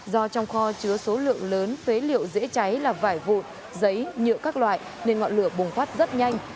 do trong kho chứa số lượng lớn phế liệu dễ cháy là vải vụt giấy nhựa các loại nên ngọn lửa bùng phát rất nhanh